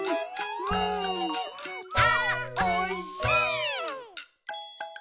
「あーおいしい」